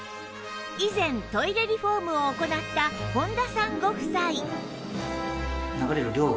以前トイレリフォームを行った本田さんご夫妻